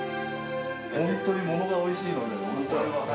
本当にものがおいしいので。